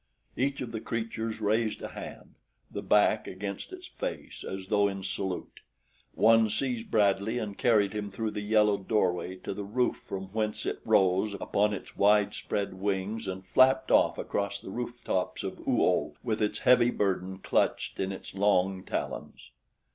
Each of the creatures raised a hand, the back against its face, as though in salute. One seized Bradley and carried him through the yellow doorway to the roof from whence it rose upon its wide spread wings and flapped off across the roof tops of Oo oh with its heavy burden clutched in its long talons.